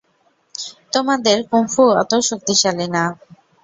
তোমাদের কুংফু অত শক্তিশালী না।